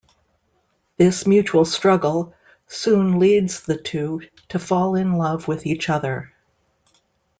This mutual struggle soon leads the two to fall in love with each other.